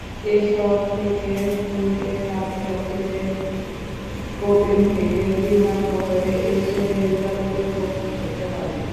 এখন থেকে সুইডেনগামী যাত্রীদের কোপেনহেগেন বিমানবন্দরে এসে রেলগাড়ি পরিবর্তন করতে হবে।